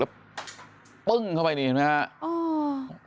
แล้วปึ้งเข้าไปนี่เห็นไหมครับ